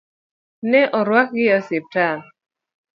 Ne orwakgi e osiptal.